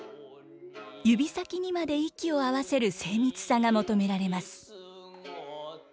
指先にまで息を合わせる精密さが求められます。